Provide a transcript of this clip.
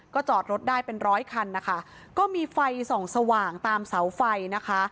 จอดรถได้เป็นร้อยคันนะคะก็มีไฟส่องสว่างตามเสาไฟนะคะ